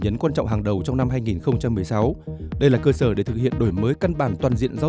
nhấn quan trọng hàng đầu trong năm hai nghìn một mươi sáu đây là cơ sở để thực hiện đổi mới căn bản toàn diện giáo